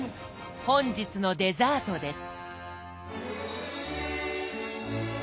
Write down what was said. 本日のデザートです。